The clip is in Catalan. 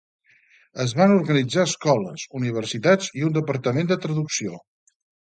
Es van organitzar escoles, universitats i un departament de traducció.